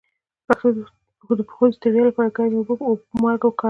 د پښو د ستړیا لپاره ګرمې اوبه او مالګه وکاروئ